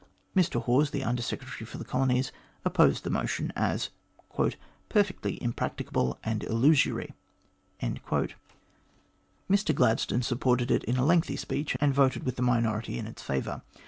Mr Hawes, the Under Secretary for the Colonies, opposed the motion as " perfectly impracticable and illusory." Mr Gladstone supported it in a lengthy speech, and voted with the minority in its favour.